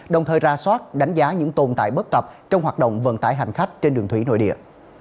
đồng thời ra soát đánh giá những tồn tại bất cập trong hoạt động vận tải hành khách trên đường thủy nội địa